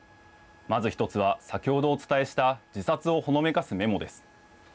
まず１つは、先ほどお伝えした自殺をほのめかすメモです。